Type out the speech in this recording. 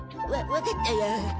わかったよ。